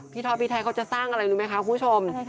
ท็อปพี่ไทยเขาจะสร้างอะไรรู้ไหมคะคุณผู้ชม